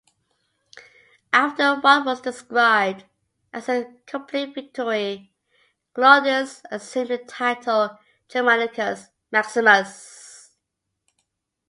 After what was described as a complete victory, Claudius assumed the title Germanicus Maximus.